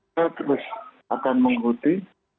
saya terus akan mengikuti